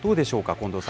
近藤さん。